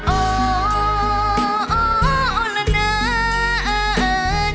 โอ้โอละนะน้องพ่อน